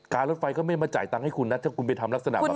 รถไฟก็ไม่มาจ่ายตังค์ให้คุณนะถ้าคุณไปทำลักษณะแบบ